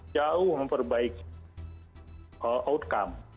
jauh memperbaiki outcome